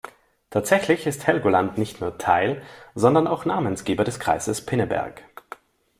Tatsächlich ist Helgoland nicht nur Teil, sondern auch Namensgeber des Kreises Pinneberg.